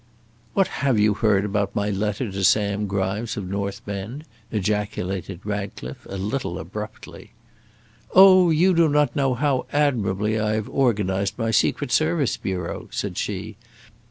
"What have you heard about my letter to Sam Grimes, of North Bend?" ejaculated Ratcliffe, a little abruptly. "Oh, you do not know how admirably I have organised my secret service bureau," said she.